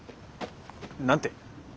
何て？